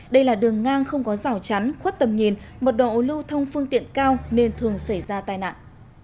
đây là đường ngang không có rào chắn khuất tầm nhìn mật độ lưu thông phương tiện cao nên thường xảy ra tai nạn